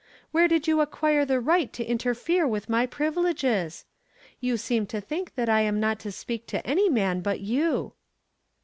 Where did you acquire the right to interfere with my privileges? You seem to think that I am not to speak to any man but you."